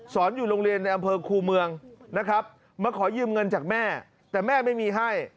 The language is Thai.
อยู่โรงเรียนในอำเภอคูเมืองนะครับมาขอยืมเงินจากแม่แต่แม่ไม่มีให้